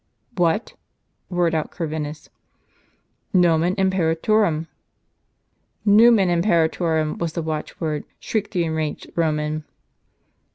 ''"* "What?" roared out Corvinus. " Nomen Imperatorum.^' "' Numen Imperatorum ' was the watchword," shrieked the enraged Roman.